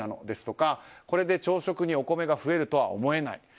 ですとかこれで朝食にお米が増えるとは思えない。